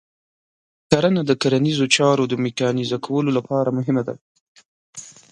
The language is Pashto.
کرنه د کرنیزو چارو د میکانیزه کولو لپاره مهمه ده.